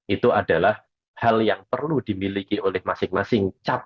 itu adalah hal yang perlu dimiliki oleh masing masing